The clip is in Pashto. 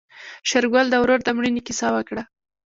شېرګل د ورور د مړينې کيسه وکړه.